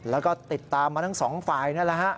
แล้วก็ติดตามมาทั้งสองฝ่ายนั่นแหละฮะ